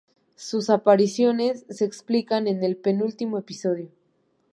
Sus apariciones se explican en el penúltimo episodio.